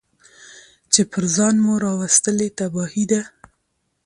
چي پر ځان مو راوستلې تباهي ده